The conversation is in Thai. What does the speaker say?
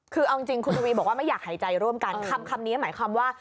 คือเอาจริงคุณทวีบอกว่าไม่อยากหายใจร่วมกันคำนี้หมายความว่า